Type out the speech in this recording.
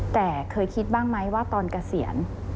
แต่เคยคิดบ้างไหมว่าตอนเกษียณ